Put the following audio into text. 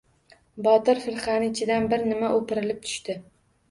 Botir firqani ichidan... bir nima o‘pirilib tushdi.